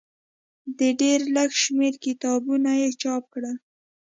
د ډېر لږ شمېر کتابونه یې چاپ کړل.